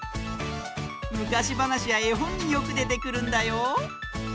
むかしばなしやえほんによくでてくるんだよ。